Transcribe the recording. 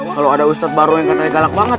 kalau ada ustadz baru yang katanya galak banget